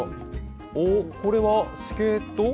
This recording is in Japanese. おっ、これはスケート？